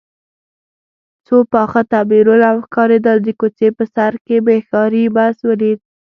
څو پاخه تعمیرونه ښکارېدل، د کوڅې په سر کې مې ښاري بس ولید.